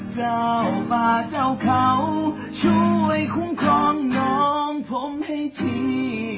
เจ้าป่าเจ้าเขาช่วยคุ้มครองน้องผมให้ที